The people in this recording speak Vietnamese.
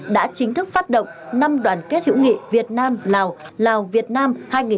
đã chính thức phát động năm đoàn kết hữu nghị việt nam lào lào việt nam hai nghìn một mươi chín